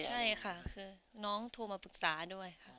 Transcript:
ใช่ค่ะน้องรู้สึกมาพรุ่งผู้จัดการด้วย